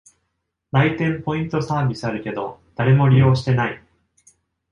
来店ポイントサービスあるけど、誰も利用してない